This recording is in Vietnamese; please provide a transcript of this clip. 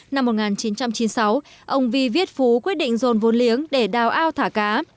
năm một nghìn chín trăm chín mươi sáu ông vi viết phú quyết định dồn vốn liếng để đào ao thả cá